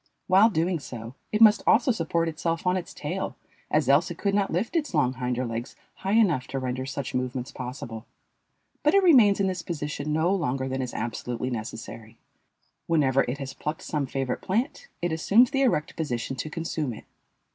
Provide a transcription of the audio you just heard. While doing so it must also support itself on its tail, as else it could not lift its long hinder legs high enough to render such movements possible. But it remains in this position no longer than is absolutely necessary. Whenever it has plucked some favorite plant, it assumes the erect position to consume it.